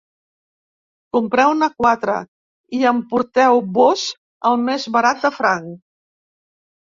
Compreu-ne quatre i emporteu-vos el més barat de franc.